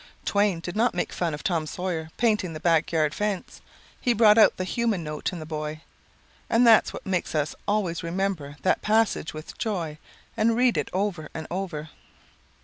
Twain did not make fun of Tom Sawyer painting the back yard fence. He brought out the human note in the boy. And that's what makes us always remember that passage with joy and read it over and over."